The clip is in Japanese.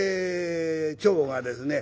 長がですね